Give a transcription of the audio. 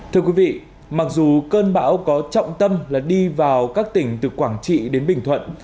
thưa quý vị mặc dù cơn bão có trọng tâm là đi vào các tỉnh từ quảng trị đến bình thuận